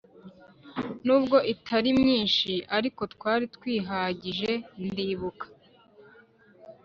nubwo itari myinshi ariko twari twihagije ndibuka